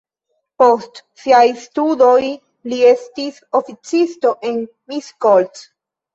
Post siaj studoj li estis oficisto en Miskolc.